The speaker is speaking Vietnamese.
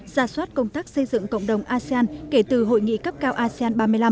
ra soát công tác xây dựng cộng đồng asean kể từ hội nghị cấp cao asean ba mươi năm